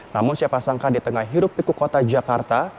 namun siapa sangka di tengah hirup pikuk kota jakarta